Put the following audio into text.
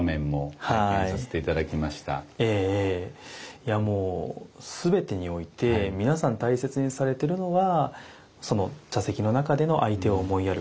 いやもう全てにおいて皆さん大切にされてるのは茶席の中での相手を思いやる心